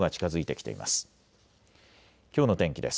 きょうの天気です。